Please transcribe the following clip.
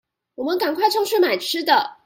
我們趕快衝去買吃的